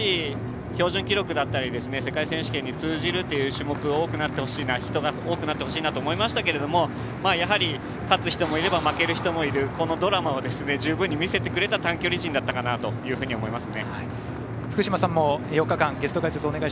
全体的にもう少し標準記録だったり世界選手権に通じるという種目と人が多くなってほしいなと思いましたけどやはり、勝つ人もいれば負ける人もいるこのドラマを十分に見せてくれた短距離陣だったと思います。